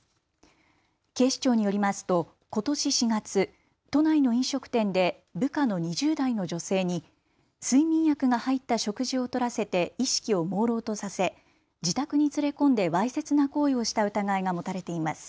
警視庁によりますとことし４月、都内の飲食店で部下の２０代の女性に睡眠薬が入った食事をとらせて意識をもうろうとさせ自宅に連れ込んでわいせつな行為をした疑いが持たれています。